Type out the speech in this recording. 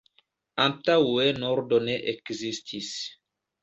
Antaŭe nordo ne ekzistis.